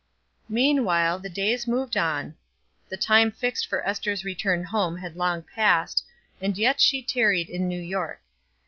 Meanwhile the days moved on; the time fixed for Ester's return home had long passed, and yet she tarried in New York.